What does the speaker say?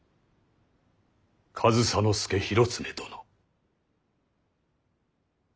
上総介広常殿。